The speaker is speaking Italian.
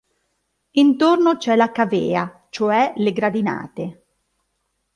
Intorno c'è la cavea, cioè le gradinate.